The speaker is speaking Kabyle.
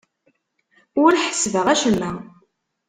Ur ḥessbeɣ acemma.